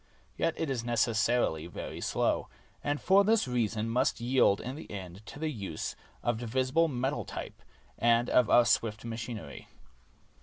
Yet it is necessarily very slow; and for this reason must yield in the end to the use of divisible metal type and of our swift machinery.